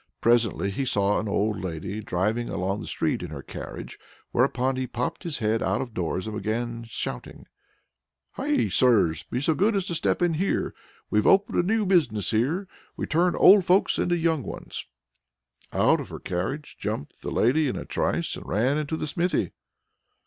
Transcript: Presently he saw an old lady driving along the street in her carriage, whereupon he popped his head out of doors and began shouting: "Heigh, sirs! Be so good as to step in here! We've opened a new business here; we turn old folks into young ones." Out of her carriage jumped the lady in a trice, and ran into the smithy.